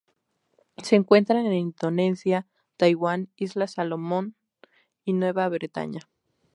Se encuentran en Indonesia, Taiwán, islas Salomón y Nueva Bretaña.